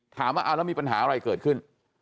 ถามว่าเอาแล้วมีปัญหาอะไรเกิดขึ้น